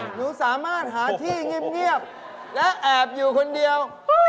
หนูสามารถหาที่เงียบและแอบอยู่คนเดียว